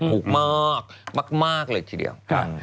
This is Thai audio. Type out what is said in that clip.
ถูกมากมากเลยทีเดียว